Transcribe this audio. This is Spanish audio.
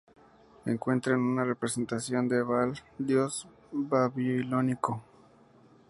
Encuentran una representación de Baal, dios babilónico.